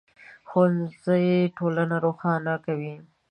ښوونځی ټولنه روښانه کوي